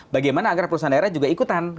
bagaimana agar perusahaan daerah juga ikutan